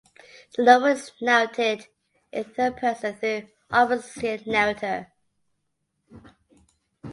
The novel is narrated in third person through an omniscient narrator.